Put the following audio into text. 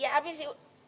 ya abis itu